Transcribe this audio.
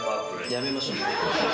やめましょう。